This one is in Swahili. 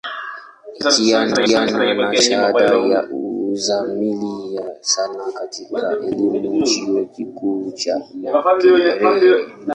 Ikifwatiwa na shahada ya Uzamili ya Sanaa katika elimu, chuo kikuu cha Makerere.